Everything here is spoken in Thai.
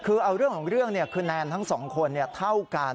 คือเอาเรื่องของเรื่องคือแนนทั้งสองคนเท่ากัน